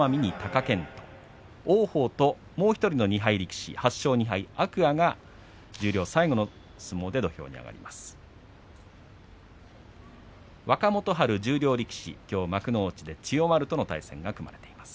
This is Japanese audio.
王鵬と、もう１人の２敗力士８勝２敗の天空海が十両最後の相撲で土俵に上がります。